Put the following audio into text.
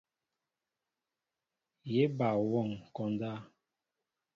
Yé ba wɔŋ konda.